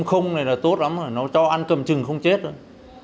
lúc này là tốt lắm rồi nó cho ăn cầm chừng không chết rồi